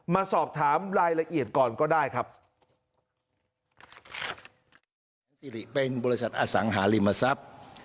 มาสอบถามรายละเอียดก่อนก็ได้ครับ